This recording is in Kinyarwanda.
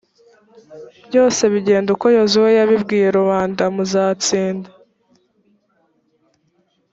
byose bigenda uko yozuwe yabibwiye rubanda muzatsinda.